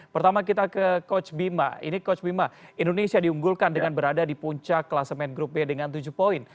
pertama kita ke coach bima ini coach bima indonesia diunggulkan dengan berada di puncak kelasemen grup b dengan tujuh poin